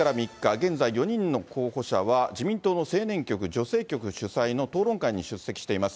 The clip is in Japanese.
現在４人の候補者は自民党の青年局、女性局主催の討論会に出席しています。